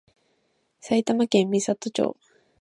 埼玉県美里町